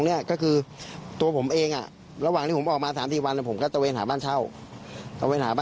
เพื่อความเป็นธรรมนะครับ